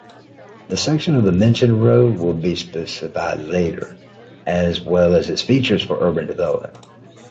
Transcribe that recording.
The section of the mentioned road will be specified later, as well as its features for urban development.